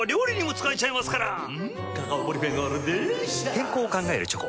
健康を考えるチョコ。